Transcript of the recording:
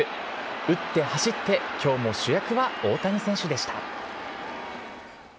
打って走って今日も主役は大谷選手でした。